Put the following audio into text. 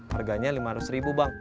harganya lima ratus ribu bang